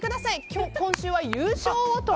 今週は優勝をと。